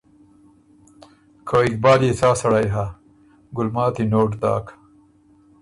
که اقبال يې څا سړئ هۀ۔ ګلماتی نوټ داک